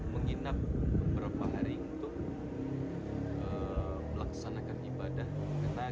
menginap beberapa hari untuk melaksanakan ibadah